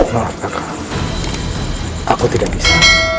mohon maaf kakak aku tidak bisa